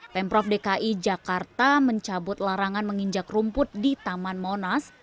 pemprov dki jakarta mencabut larangan menginjak rumput di taman monas